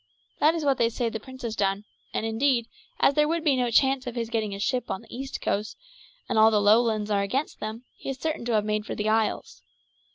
That is what they say the prince has done; and indeed as there would be no chance of his getting a ship on the east coast, and all the Lowlands are against them, he is certain to have made for the isles.